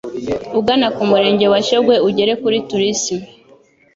ugana ku Murenge wa Shyogwe ugere kuri Tourisme.”